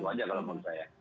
gitu aja kalau menurut saya